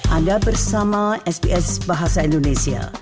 anda bersama sps bahasa indonesia